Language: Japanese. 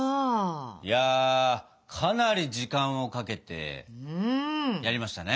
いやかなり時間をかけてやりましたね。